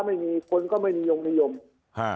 ไม่มีคนก็ไม่มีโยงพยาบาล